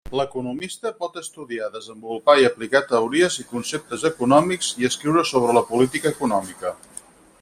L'economista pot estudiar, desenvolupar i aplicar teories i conceptes econòmics i escriure sobre política econòmica.